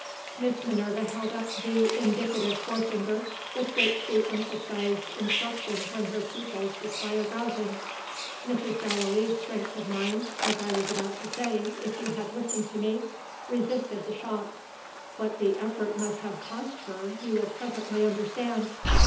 Miss Minerva held up the indicative forefinger, with which she emphasized instruction when her pupils required rousing. "Mrs. Gallilee's strength of mind as I was about to say, if you had listened to me resisted the shock. What the effort must have cost her you will presently understand.